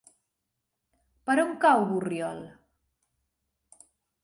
Per on cau Borriol?